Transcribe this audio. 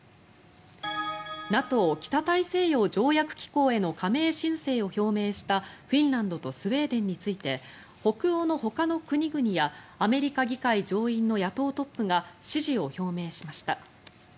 ＮＡＴＯ・北大西洋条約機構への加盟申請を表明したフィンランドとスウェーデンについて北欧のほかの国々やアメリカ議会上院の野党トップが支持を表明しました。